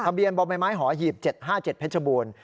เบียนบ่อใบไม้หอหีบ๗๕๗เพชรบูรณ์